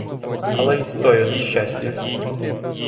Але й з тою нещастя.